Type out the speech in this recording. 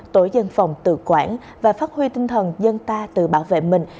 tổ dân phòng tự quản và phát huy tinh thần dân ta tự bảo vệ mình